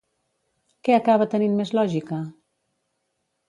Què acaba tenint més lògica?